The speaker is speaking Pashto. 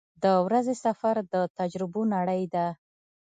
• د ورځې سفر د تجربو نړۍ ده.